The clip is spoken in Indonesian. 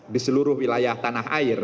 di seluruh wilayah tanah air